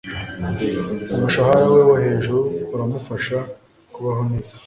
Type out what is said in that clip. Umushahara we wo hejuru uramufasha kubaho neza.